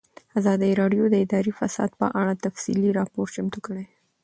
ازادي راډیو د اداري فساد په اړه تفصیلي راپور چمتو کړی.